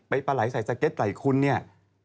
ปลาไหลใส่สเก็ตใส่คุณเนี่ย